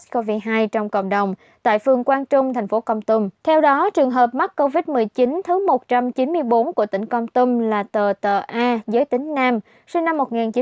covid một mươi chín thứ một trăm chín mươi bốn của tỉnh công tâm là tờ tờ a giới tính nam sinh năm một nghìn chín trăm tám mươi bảy